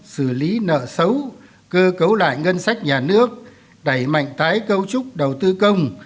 xử lý nợ xấu cơ cấu lại ngân sách nhà nước đẩy mạnh tái cấu trúc đầu tư công